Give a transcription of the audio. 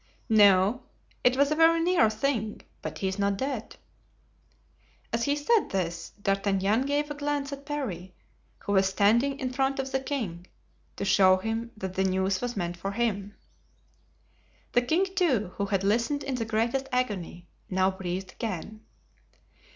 "No. It was a very near thing, but he is not dead." As he said this, D'Artagnan gave a glance at Parry, who was standing in front of the king, to show him that the news was meant for him. The king, too, who had listened in the greatest agony, now breathed again.